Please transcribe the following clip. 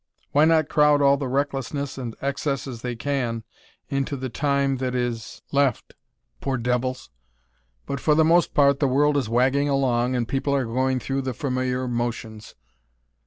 Why not crowd all the recklessness and excesses they can into the time that is left? poor devils! But for the most part the world is wagging along, and people are going through the familiar motions."